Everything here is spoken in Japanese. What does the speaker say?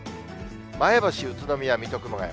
前橋、宇都宮、水戸、熊谷。